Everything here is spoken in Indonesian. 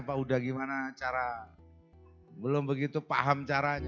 pak huda gimana cara belum begitu paham caranya